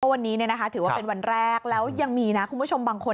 วันนี้ถือว่าเป็นวันแรกแล้วยังมีนะคุณผู้ชมบางคน